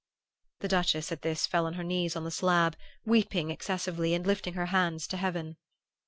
"The Duchess at this fell on her knees on the slab, weeping excessively and lifting her hands to heaven.